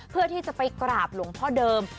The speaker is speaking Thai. เพื่อที่จะไปกราบหลวงพ่อเดิม